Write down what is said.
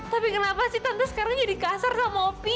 tapi kenapa sih tante sekarang jadi kasar sama ngopi